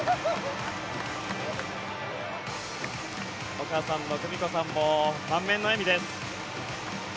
お母さんの久美子さんも満面の笑みです。